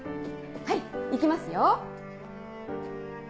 はい行きますよ。